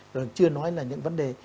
rồi chưa nói là những vấn đề